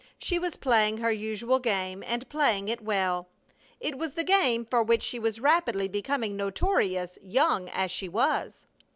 She was playing her usual game and playing it well. It was the game for which she was rapidly becoming notorious, young as she was.